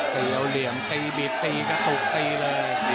ตีเอาเหลี่ยมตีบีบตีกระตุกตีเลย